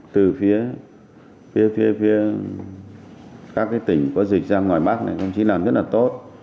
từ phía các tỉnh có dịch ra ngoài bắc này thậm chí làm rất là tốt